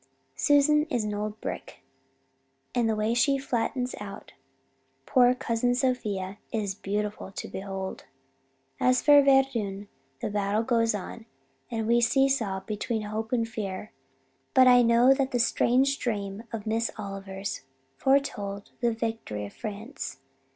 "Susan is an old brick, and the way she flattens out poor Cousin Sophia is beautiful to behold. "As for Verdun, the battle goes on and on, and we see saw between hope and fear. But I know that strange dream of Miss Oliver's foretold the victory of France.